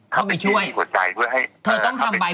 เข้าไปจี้ที่หัวใจ